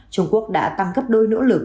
trung quốc đã tăng cấp đôi nỗ lực